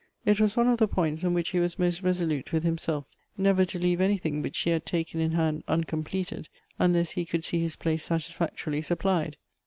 It was one of the points on which he was most resolute with himself, never to leave anything which he had taken in hand uncom pleted, unless he could see his. place satisfactorily sup plied.